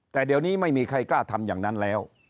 แต่เดี๋ยวนี้ไม่มีใครกล้าทำอย่างนั้นแล้ว